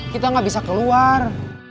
kita nggak bisa keluar